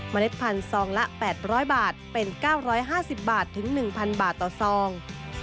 เล็ดพันธุ์ซองละ๘๐๐บาทเป็น๙๕๐บาทถึง๑๐๐บาทต่อซอง